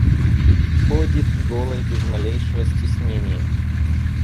Ходит голой без малейшего стеснения.